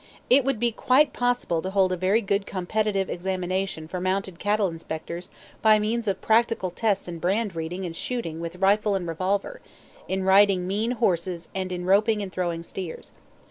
It would be quite possible to hold a very good competitive examination for mounted cattle inspectors by means of practical tests in brand reading and shooting with rifle and revolver, in riding "mean" horses and in roping and throwing steers.